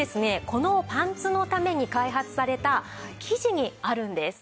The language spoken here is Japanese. このパンツのために開発された生地にあるんです。